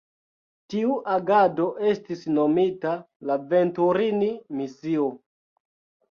Tiu agado estis nomita la Venturini-misio.